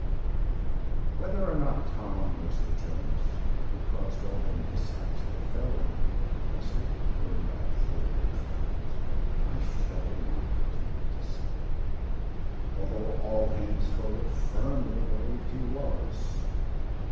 Whether or not Tom was the Jonas, who caused all the mishaps that fell upon our little vessel during that four years' cruise, I shall not pretend to say, although all hands forward firmly believed he was.